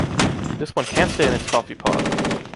This one can’t stay in its coffee pot!...